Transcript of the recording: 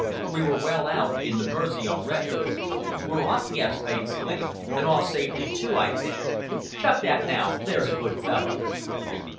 We were well out in the Mersey already. "We're off, Guest!" I exclaimed, "and off safely, too, I think. Chuck that now, there's a good fellow."